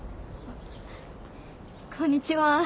こんにちは。